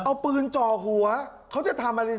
เอาปืนจ่อหัวเขาจะทำอะไร